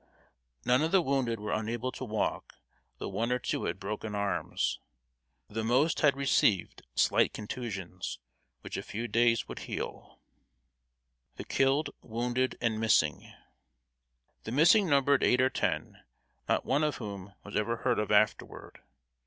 None of the wounded were unable to walk, though one or two had broken arms. The most had received slight contusions, which a few days would heal. [Sidenote: THE KILLED, WOUNDED, AND MISSING.] The missing numbered eight or ten, not one of whom was ever heard of afterward.